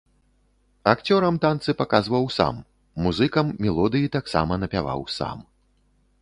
Акцёрам танцы паказваў сам, музыкам мелодыі таксама напяваў сам.